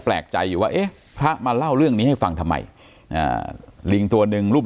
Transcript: แปลกใจอยู่ว่าเอ๊ะพระมาเล่าเรื่องนี้ให้ฟังทำไมลิงตัวหนึ่งรูป